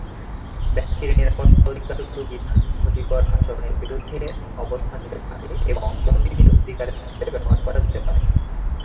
ব্যক্তির নিরাপত্তা অধিকারগুলি বিধান ক্ষতিকর আচরণের বিরুদ্ধে অবস্থান নিতে পারে এবং বন্দীদের অধিকারের ক্ষেত্রে ব্যবহার করা যেতে পারে।